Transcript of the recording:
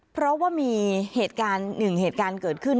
เพราะว่ามีเหตุการณ์หนึ่งเหตุการณ์เกิดขึ้น